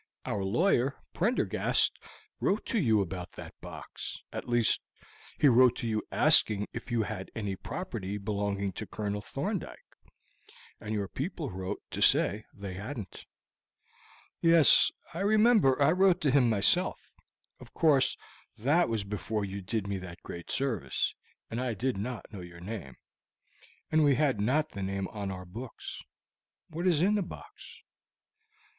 "Our lawyer, Prendergast, wrote to you about that box; at least, he wrote to you asking if you had any property belonging to Colonel Thorndyke, and your people wrote to say they hadn't." "Yes, I remember I wrote to him myself. Of course that was before you did me that great service, and I did not know your name, and we had not the name on our books. What is in the box?"